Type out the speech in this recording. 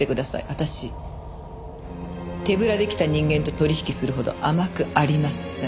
私手ぶらで来た人間と取引するほど甘くありません。